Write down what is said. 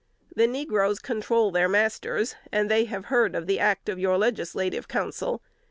The negroes control their masters; and have heard of the act of your legislative council.